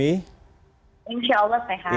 insya allah sehat